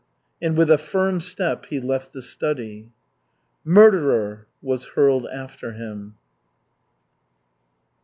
And with a firm step he left the study. "Murderer!" was hurled after him.